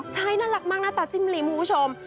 ใช่น่ารักมากหน้าตาจิ้มลิ้มคุณผู้ชม